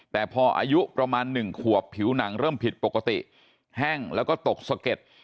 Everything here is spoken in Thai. แต่พออายุประมาณ๑ขวบผิวหนังเริ่มผิดปกติแห้งแล้วก็ตกสะเก็ด